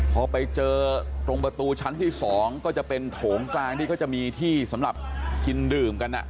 พอไปเจอตรงประตูชั้นที่๒ก็จะเป็นโถงกลางที่เขาจะมีที่สำหรับกินดื่มกัน